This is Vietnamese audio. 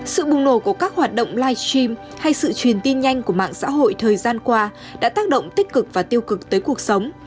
sự bùng nổ của các hoạt động live stream hay sự truyền tin nhanh của mạng xã hội thời gian qua đã tác động tích cực và tiêu cực tới cuộc sống